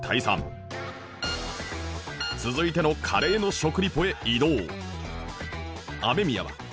続いてのカレーの食リポへ移動